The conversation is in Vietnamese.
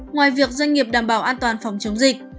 ngoài việc doanh nghiệp đảm bảo an toàn phòng chống dịch